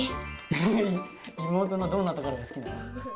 妹のどんなところが好きなの？